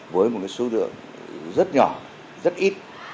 với một số lượng rất nhỏ rất ít